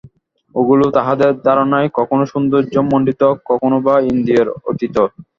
এগুলি তাহাদের ধারণায় কখনও সৌন্দর্যমণ্ডিত, কখনও বা ইন্দ্রিয়ের অতীত।